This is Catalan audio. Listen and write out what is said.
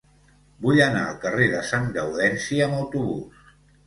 Vull anar al carrer de Sant Gaudenci amb autobús.